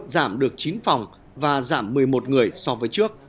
giảm được chín phòng và giảm một mươi một người so với trước